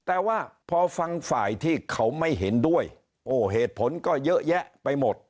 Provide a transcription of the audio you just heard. แต่ว่าพอฟังฝ่ายที่เขาไม่เห็นด้วยโอ้เหตุผลก็เยอะแยะไปหมด